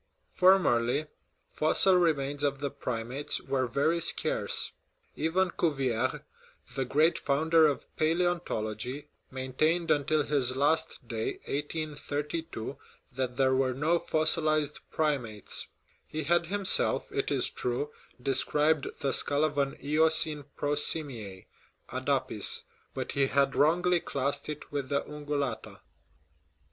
Formerly fossil remains of the primates were very scarce. Even Cuvier, the great founder of palaeontology, maintained until his last day (1832) that there were no fossilized primates ; he had himself, it is true, described the skull of an Eocene prosimias (adapis), but he had wrongly classed it with the ungulata.